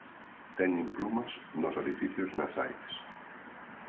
Teñen plumas nos orificios nasais.